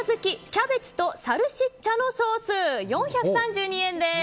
キャベツとサルシッチャのソース４３２円です。